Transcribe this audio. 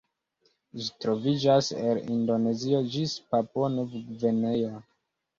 Ĝi troviĝas el Indonezio ĝis Papuo-Nov-Gvineo.